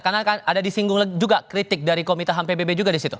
karena ada disinggung juga kritik dari komite ham pbb juga di situ